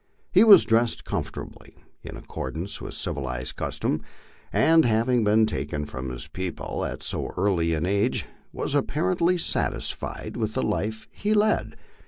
He was dressed comfortably, in accordance with civilized custom ; and, having been taken from his people at so early an age, was apparently satisfied with the life he led.